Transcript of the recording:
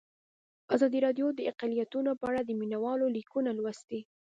ازادي راډیو د اقلیتونه په اړه د مینه والو لیکونه لوستي.